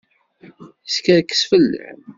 Yeskerkes fell-am.